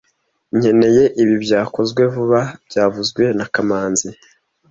Nkeneye ibi byakozwe vuba byavuzwe na kamanzi